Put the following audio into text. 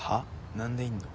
何でいんの？